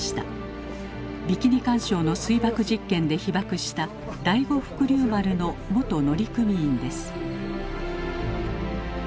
ビキニ環礁の水爆実験で被ばくした第五福竜丸の元乗組員です。